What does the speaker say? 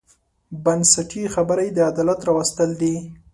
بنسټي خبره یې د عدالت راوستل دي.